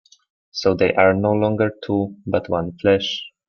So they are no longer two, but one flesh.